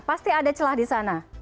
pasti ada celah di sana